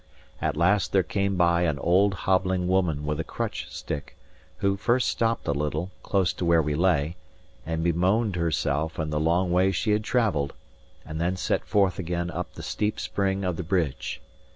At last there came by an old, hobbling woman with a crutch stick; who first stopped a little, close to where we lay, and bemoaned herself and the long way she had travelled; and then set forth again up the steep spring of the bridge.